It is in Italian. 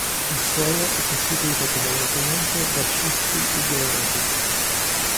Il suolo è costituito prevalentemente da scisti e graniti.